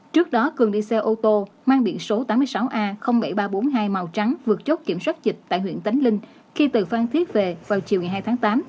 trước đó cường đi xe ô tô mang biện số tám mươi sáu a bảy nghìn ba trăm bốn mươi hai màu trắng vượt chốt kiểm soát dịch tại huyện tánh linh khi từ phan thiết về vào chiều ngày hai tháng tám